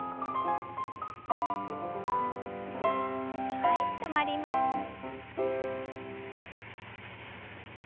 はい止まります。